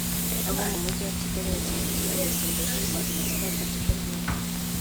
abo mu Mujyi wa Kigali bazindukiye mu isengesho rusange kuri Stade ya Kigali i Nyamirambo